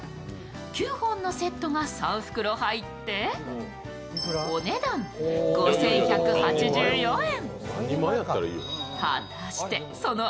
９本のセットが３袋入ってお値段５１８４円。